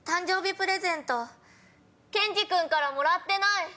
プレゼントケンジ君からもらってない。